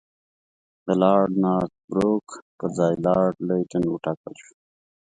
د لارډ نارت بروک پر ځای لارډ لیټن وټاکل شو.